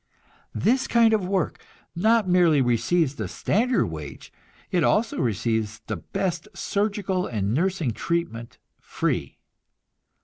This kind of work not merely receives the standard wage, it also receives the best surgical and nursing treatment free.